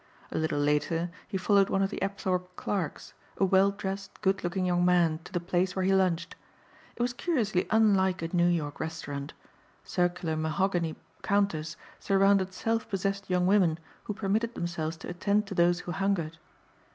A little later he followed one of the Apthorpe clerks, a well dressed, good looking young man, to the place where he lunched. It was curiously unlike a New York restaurant. Circular mahogany counters surrounded self possessed young women who permitted themselves to attend to those who hungered.